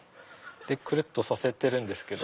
でくるっとさせてるんですけど。